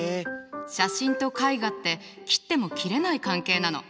写真と絵画って切っても切れない関係なの。